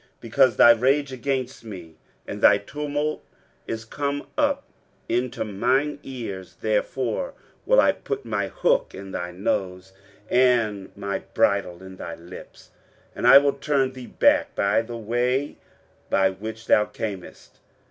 23:037:029 Because thy rage against me, and thy tumult, is come up into mine ears, therefore will I put my hook in thy nose, and my bridle in thy lips, and I will turn thee back by the way by which thou camest.